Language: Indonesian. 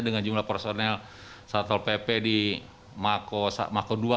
dengan jumlah personel satpol pp di mako ii